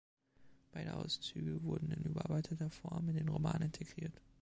Beide Auszüge wurden in überarbeiteter Form in den Roman integriert.